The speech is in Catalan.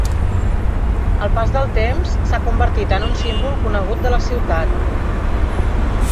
Al pas del temps s'ha convertit en un símbol conegut de la ciutat.